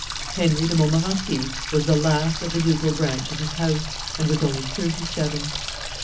Henry de Montmorency was the last of the ducal branch of his house, and was only thirty seven.